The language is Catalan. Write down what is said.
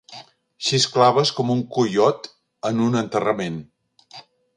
Xisclaves com un coiot en un enterrament.